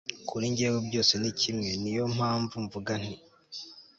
kuri jyewe byose ni kimwe, ni yo mpamvu mvuga nti